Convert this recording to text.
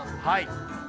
はい。